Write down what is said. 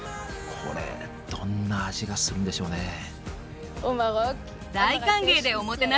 これどんな味がするんでしょうね。